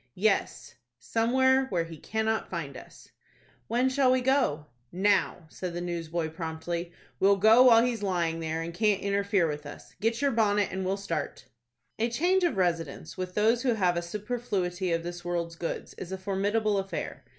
"Yes, somewhere where he cannot find us." "When shall we go?" "Now," said the newsboy, promptly. "We'll go while he is lying there, and can't interfere with us. Get your bonnet, and we'll start." A change of residence with those who have a superfluity of this world's goods is a formidable affair.